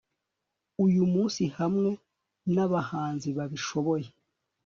uyumunsi hamwe nabahanzi babishoboye